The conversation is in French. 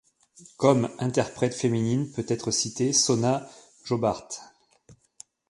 Comme interprète féminine peut être citée Sona Jobarteh.